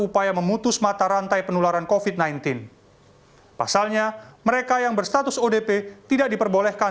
upaya memutus mata rantai penularan kofit sembilan belas pasalnya mereka yang berstatus odp tidak diperbolehkan